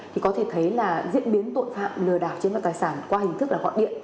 thì có thể thấy là diễn biến tội phạm lừa đảo chiếm đoạt tài sản qua hình thức là gọi điện